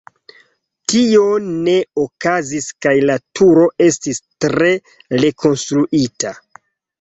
Tio ne okazis kaj la turo estis tre rekonstruita.